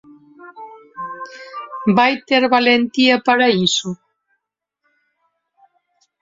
Vai ter valentía para iso?